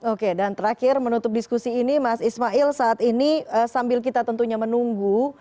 oke dan terakhir menutup diskusi ini mas ismail saat ini sambil kita tentunya menunggu